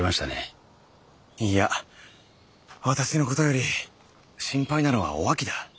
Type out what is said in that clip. いや私のことより心配なのはおあきだ。